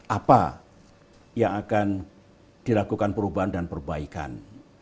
apa yang akan dilakukan perubahan dan perbaikan